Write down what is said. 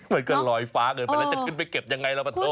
มันก็ลอยฟ้าเกินไปแล้วจะขึ้นไปเก็บยังไงล่ะปะโถ